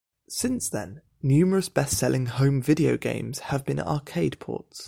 Since then, numerous best-selling home video games have been arcade ports.